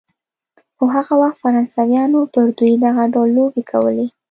خو هغه وخت فرانسویانو پر دوی دغه ډول لوبې کولې.